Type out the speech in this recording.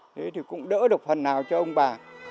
thế thì cũng đỡ được phần nào cho ông bà